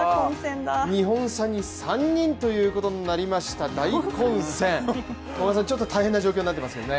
２本差に３人ということになりました、大混戦、ちょっと大変な状況になってきてますね。